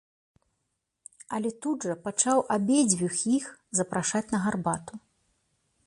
Але тут жа пачаў абедзвюх іх запрашаць на гарбату.